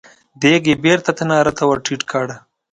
دېګ يې بېرته تناره ته ور ټيټ کړ.